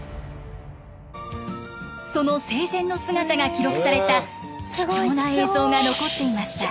その生前の姿が記録された貴重な映像が残っていました。